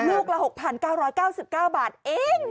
ลูกละ๖๙๙๙บาทเอง